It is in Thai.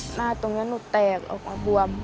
หน้าตรงนั้นหนูแตกออกมาบวม